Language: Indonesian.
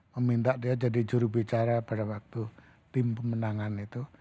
meminta dia jadi jurubicara pada waktu tim pemenangan itu